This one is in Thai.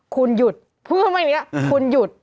คุณหยุดพูดว่าอย่างนี้คุณหยุด